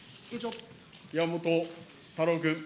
山本太郎君。